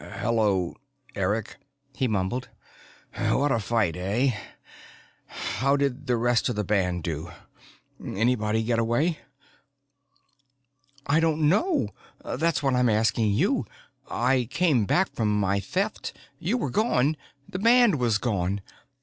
"Hello, Eric," he mumbled. "What a fight, eh? How did the rest of the band do? Anybody get away?" "I don't know. That's what I'm asking you! I came back from my Theft you were gone the band was gone.